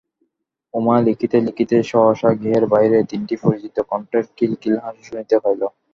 উমা লিখিতে লিখিতে সহসা গৃহের বাহিরে তিনটি পরিচিত কণ্ঠের খিলখিল হাসি শুনিতে পাইল।